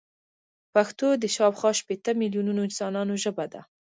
پښتو د شاوخوا شپيته ميليونه انسانانو ژبه ده.